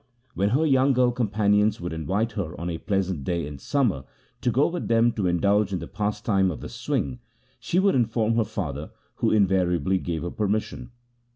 When her young girl com panions would invite her on a pleasant day in summer to go with them to indulge in the pastime of the swing, she would inform her father, who in go THE SIKH RELIGION variably gave her permission.